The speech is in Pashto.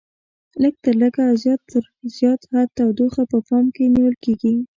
لږ تر لږه او زیات تر زیات حد تودوخه په پام کې نیول کېږي.